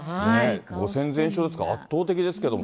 ５戦全勝ですから、圧倒的ですけど。